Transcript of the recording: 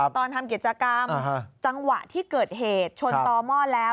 ตอนทำกิจกรรมจังหวะที่เกิดเหตุชนต่อหม้อแล้ว